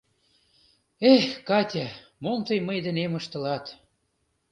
Эх, Катя, мом тый мый денем ыштылат!»...